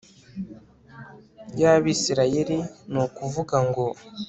y'abisirayeli. ni ukuvuga ngo